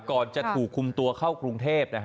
ก่อนจะถูกคุมตัวเข้ากรุงเทพ